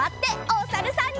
おさるさん。